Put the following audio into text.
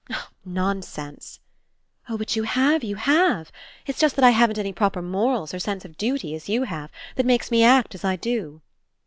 "Nonsense!" "Oh, but you have, you have. It's just that I haven't any proper morals or sense of duty, as you have, that makes me act as I do."